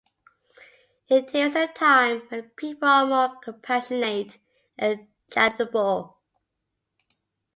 It is a time when people are more compassionate and charitable.